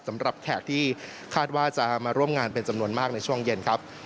แขกที่คาดว่าจะมาร่วมงานเป็นจำนวนมากในช่วงเย็นครับ